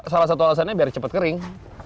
salah satu alasannya biar cepat kering